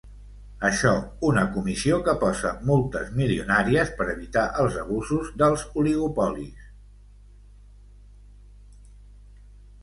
Això, una comissió que posa multes milionàries per evitar els abusos dels oligopolis.